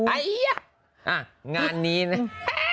อ้าวงานนี้น่ะ